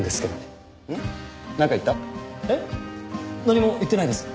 何も言ってないです。